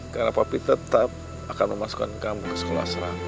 karena papi tetap akan memasukkan kamu ke sekolah serangga